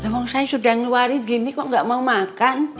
mbak rono saya sudah ngeluarin gini kok enggak mau makan